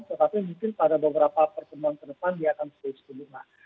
tetapi mungkin pada beberapa pertemuan ke depan dia akan stay suku bunga